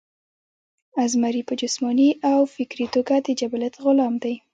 ازمرے پۀ جسماني او فکري توګه د جبلت غلام دے